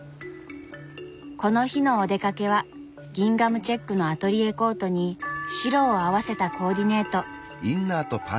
この日のお出かけはギンガムチェックのアトリエコートに白を合わせたコーディネート。